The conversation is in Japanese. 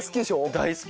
大好き。